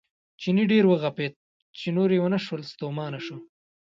چیني ډېر وغپېد چې نور یې ونه شول ستومانه شو.